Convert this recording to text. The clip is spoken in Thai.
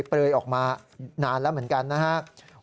เปลยออกมานานแล้วเหมือนกันนะครับ